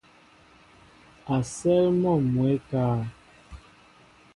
A sέέl mɔ mwɛɛ ékáá.